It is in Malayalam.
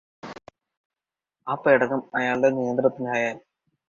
ആ പേടകം അയാളുടെ നിയന്ത്രണത്തിലായാല്